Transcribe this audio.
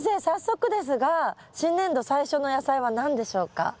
早速ですが新年度最初の野菜は何でしょうか？